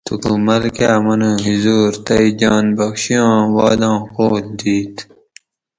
توکو ملکہ منو حضور تئی جان بخشیاں وعداں قول دِیت